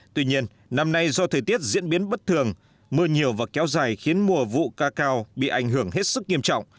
tuy nhiên năm nay do thời tiết diễn biến bất thường mưa nhiều và kéo dài khiến mùa vụ ca cao bị ảnh hưởng hết sức nghiêm trọng